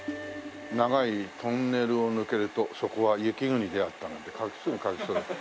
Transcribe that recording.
「長いトンネルを抜けるとそこは雪国であった」なんてすぐ書けそう。